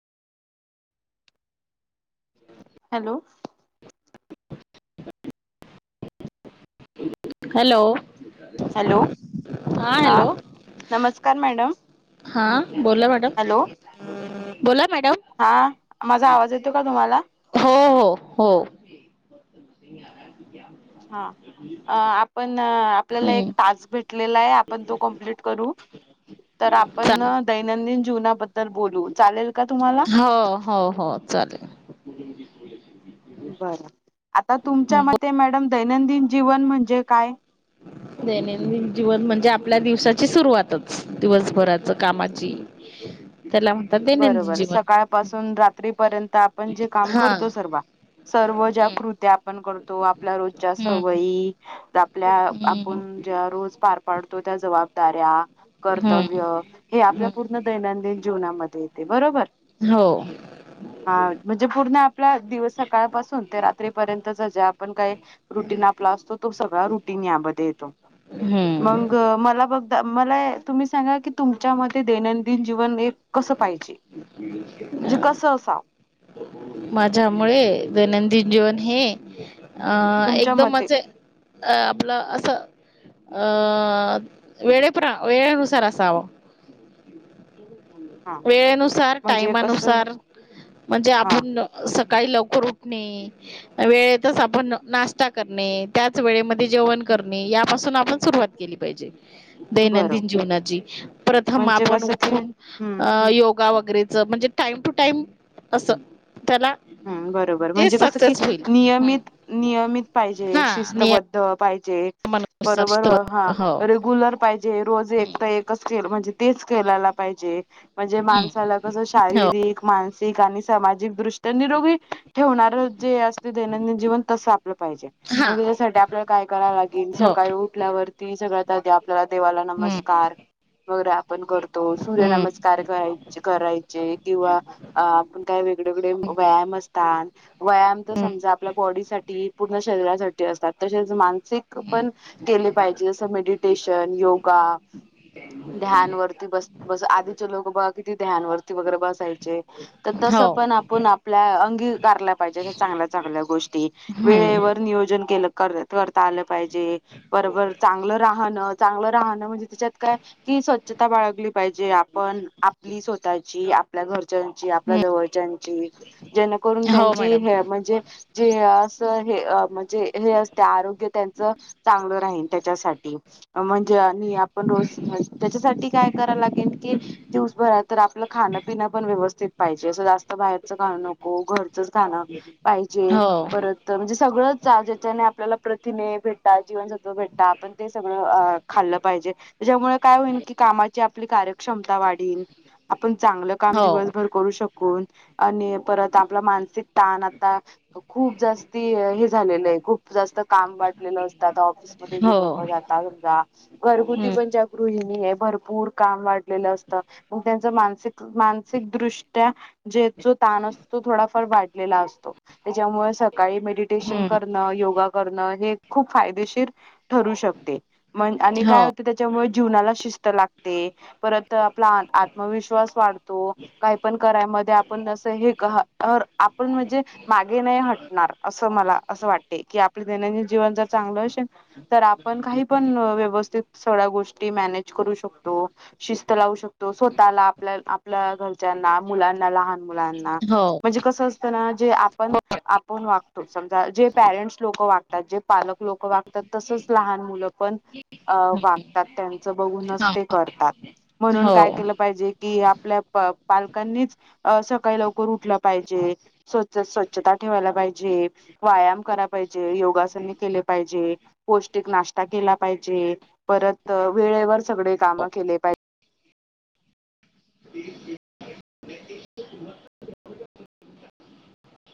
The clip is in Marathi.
हॅलो. हॅलो हॅलो हा हा हॅलो. नमस्कार मॅडम हा बोला मॅडम. हॅलो बोला मॅडम हा. माझा आवाज येतो का तुम्हाला? हो हो हो. हा अ आपण आपल्याला एक हम्म टास्क भेटला लाय आपण तो कंपलीट करू तर आपण चालेल दैनंदिन जीवना बदद्ल दल बोलू चालेल का तुम्हाला? हो हो हो चालेल [unintelligible] बरं आता तुमच्या हम्म मते मॅडम दैनंदिन जीवन म्हणजे काय? दैनंदिन जीवन म्हणजे आपल्या दिवसाची सुरुवातच दिवसभराच कामाची. त्याला म्हणतात दैनंदिन बरोबर जीवन सकाळपासून रात्रीपर्यंत आपण जे काम हा करतो सर्व सर्व ज्या हम्म कृत्या आपण करतो आपल्या रोजच्या हम्म सवयी आपल्या हम्म आपण ज्या रोज पार पाडतो त्या जबाबदाऱ्या हम्म कर्तव्य हे आपल्या हम्म पूर्ण दैनंदिन जीवनामध्ये येते बरोबर. हो. ह [unintelligible] हा म्हणजे पूर्ण आपल्या दिव सकाळपासून ते रात्रीपर्यंतच जे आपण काही रुटीन आपल असतो तो सगळा रुटीन या बदे येतो. हम्म मंग मला बघ मला तुम्ही सांगा की तुमच्या म दैनंदिन जीवन एक कस पाहिजे म्हणजे कस असाव? माझ्यामुळे दैनंदिन जीवन हे अं तुमच्या एकदम मते माझ अ आपला असं अं वेळेप वेळेनुसार असावं. [inaudible] हा वेळेनुसार म्हणजे कसं टाइमानुसार म्हणजे आप हा सकाळी लवकर उठणे वेळेतच आपण नाश्ता करणे. त्याच वेळेमध्ये जेवण करने यापासून आपण सुरुवात केली पाहिजे. दैनंदिन बरोबर जीवनाची प्रथम म्हणजे आपण कसं की उठून हम्म अ योगा व म्हणजे टाइम टू टाइम अस. हम् बरोबर म्हणजे कसं कि होईल. नियमित नियमित पाहिजे हा शिस्तबद्ध पाहिजे. नियमानुसार बरोबर हा हो. रेग्युलर पाहिजे रोज एक तर एक केेल म्हणजे तेच करायला पाहिजे म्हणजे हम्म माणसाला कस हो शारीरिक मानसिक ठिकाणी आणि सामाजिकदृष्ट्या निरोगी ठेवणार जे असते दैनंदिन जीवन तस आप पाहिजे हा मग त्याच्यासाठी आपल्याला काय कराव लागेल हो सकाळी उठल्यावरती सगळ्यात आधी आ आपल्याला देवाला हम्म नमस्कार वगैरे आपण करतो सूर्य हम्म. नमस्कार करायचे किंवा आपण काय- वेगळेवेगळे- व्यायाम असतात व्यायाम तर हम्म समजा आपल्या बॉडी साठी पूर्ण शरीरासाठी असतात- तसेच मानसिक पण केले पाहिजे जसं मेडिटेशन योगा- ध्यानवररती बस आधीचे लोक बघ क- [inaudible] ध्यान वरती वगैरे बसायचे तर तस हो पण आपण [inaudible] आपल्या अंगी करायला पाहिजे अश चांगल्या चांगल्या गोष्टी हम्म वेळेवर नियोजन ते करतात [inaudible] आल पाहिजे बर चांगलं राह [inaudible] चांगलं राहणं म्हणजे त्याच्यात काय की स्वच्छता बाळगली- पाहिजे आपण आपली स्वतःची आपल्या घरच्यांची आपल्या हम्म जवळच्याची- [inaudible] जेणेकरून हो त्यांची मॅडम हे म्हणजे- जे असं हे म्हणजे हे असते आरोग्य त्यांचं- चांगल राहीन त्याच्यासाठी- म्हणजे आपण रोज त्याच्यासाठी काय कराय लागेल की दिवस भरा तर आपलं खानापिना- ण व्यवस्थित पाहिजे अस जास्त बाहेरचं का नको घर [inaudible] पाहिजे हो परत म्हणजे सगळंच ज्याच्याने आपल्याला [inaudible] तिने भेटता जीवनसत्व भेटता आपण ते सगळं अ खाल्लं पाहिजे [inaudible] त्या्च्यामुळे काय होईल की कामाची आपली कार्यक्षमता वाढीन [inaudible] आपण चांगलं काम हो दिवसभर करू शकू [inaudible] आणि परत आपला मानसिक ताण आता खूप जास्ती हे झालेलं आहे खूप जास्त [inaudible] काम वाटलेलं असतात ऑफिसमध्ये जे हो लोक जातात त्या घरगुती हम्म पण [inaudible] भरपूर काम वाढलेलं असत मग त्यांच मानसिक मानसिकदृष्ट्या जे- जो ताण असतो तो थोडाफार वाढलेला असतो त्याच्यामुळे [inaudible] सकाळी मेडिटेशन हम्म करण योगा करणं हे खूप फायदेशीर ठरू शकते [inaudible] मण आणि हो काय होते त्याच्यामुळे जीवनाला शिस्त लागते [inaudible] परत आपला आत्मविश्वास वाढतो काही पण करायमध्ये [inaudible] सही कहा [inaudible] आपण म्हणजे मागे नाही हटणार असं मला असं वाटते की आपले दैनंदिन जीवन जर चांगलं [inaudible] तर आपण काही पण व्यवस्थित [inaudible] सगळ्या गोष्टी मॅनेज करू शकतो शिस्त लावू शकतो [inaudible] तो स्वतःला आपल्या आपल्या घरच्यांना मुलांना लहान [inaudible] हो म्हणजे कस असत ना जे आपण हो आपण वागतो समजा जे पेरेंट लोक [inaudible] वागतात जे पालक लोक वागतात तसच लहान मुलं [inaudible] पण अ वागतात त्यांचं बघूनच ते करतात [inaudible] म्हणून हो काय केलं पाहिजे कि आपल्या पालकांनीच [inaudible] अ सकाळी लवकर उठलं पाहिजे स्वच्छ स्वच्छता ठेवायला पाहिजे व्यायाम कराय पाहिजे [inaudible] योगासने केले पाहिजे पौष्टिक नाष्टा केला पाहिजे परत वेळेवर [inaudible] सगळे काम हो केले पाहिजे [inaudible] [unintelligible]